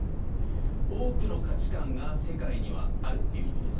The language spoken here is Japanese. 多くの価値観が世界にはあるという意味です。